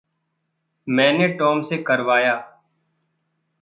मैंने टॉम से करवाया।